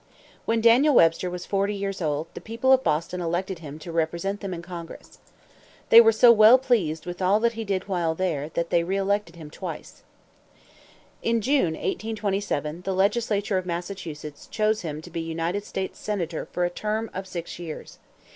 When Daniel Webster was forty years old, the people of Boston elected him to represent them in Congress. They were so well pleased with all that he did while there, that they re elected him twice. In June, 1827, the legislature of Massachusetts chose him to be United States senator for a term of six years.